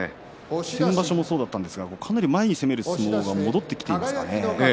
先場所もそうだったんですが、かなり前に攻める相撲が戻ってきていますかね。